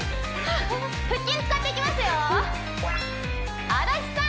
腹筋使っていきますよ足立さん